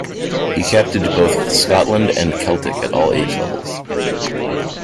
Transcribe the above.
He captained both Scotland and Celtic at all age levels.